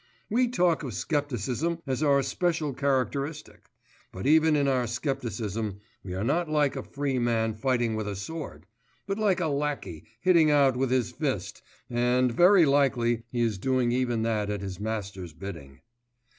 We talk of scepticism as our special characteristic; but even in our scepticism we are not like a free man fighting with a sword, but like a lackey hitting out with his fist, and very likely he is doing even that at his master's bidding.